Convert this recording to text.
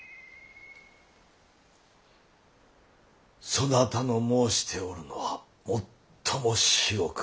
そなたの申しておるのはもっとも至極。